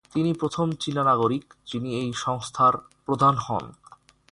তিনি প্রথম চীনা নাগরিক যিনি এই সংস্থার প্রধান হন।